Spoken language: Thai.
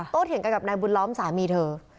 เถียงกันกับนายบุญล้อมสามีเธอ